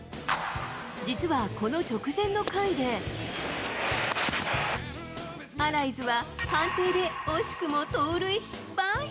実はこの直前の回で、アライズは、判定で、惜しくも盗塁失敗。